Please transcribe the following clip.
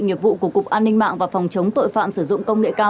nghiệp vụ của cục an ninh mạng và phòng chống tội phạm sử dụng công nghệ cao